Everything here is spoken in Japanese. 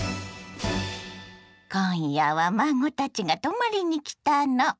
今夜は孫たちが泊まりに来たの。